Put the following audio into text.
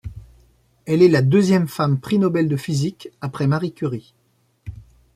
Elle est la deuxième femme prix Nobel de physique, après Marie Curie.